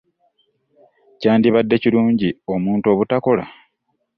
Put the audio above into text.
Kyandibadde kirungi omuntu obutakola?